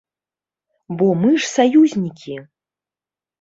Бо мы ж саюзнікі!